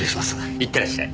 いってらっしゃい。